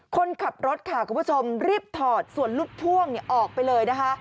คนขับรถค่ะคุณผู้ชมรีบถอดส่วนลดพ่วงออกไปเลยนะคะ